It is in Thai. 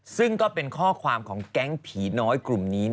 ซึ่งก็เป็นข้อความของแก๊งผีน้อยกลุ่มนี้